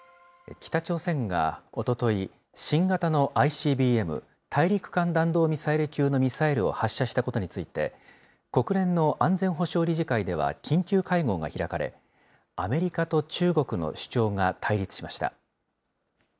北朝鮮がおととい、新型のＩＣＢＭ・大陸間弾道ミサイル級のミサイルを発射したことについて、国連の安全保障理事会では緊急会合が開かれ、アメリカと中国の主張が対立しました。